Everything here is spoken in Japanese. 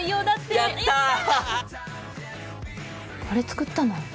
これ作ったの？